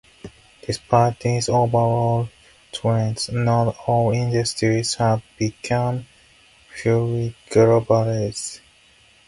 Despite these overall trends, not all industries have become fully globalized.